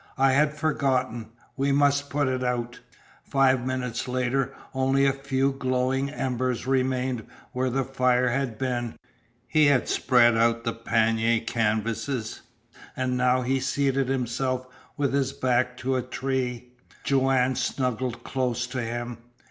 "I had forgotten. We must put it out!" Five minutes later only a few glowing embers remained where the fire had been. He had spread out the pannier canvases, and now he seated himself with his back to a tree. Joanne snuggled close to him.